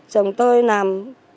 chồng tôi làm